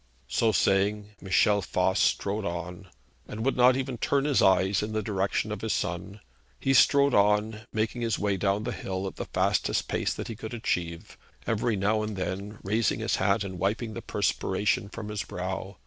So saying, Michel Voss strode on, and would not even turn his eyes in the direction of his son. He strode on, making his way down the hill at the fastest pace that he could achieve, every now and then raising his hat and wiping the perspiration from his brow.